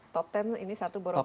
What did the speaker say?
top ten ini satu borobudu